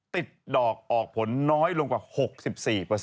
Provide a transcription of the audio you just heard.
ดอกออกผลน้อยลงกว่า๖๔